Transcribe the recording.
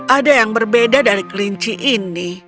ada yang berbeda dari kelinci ini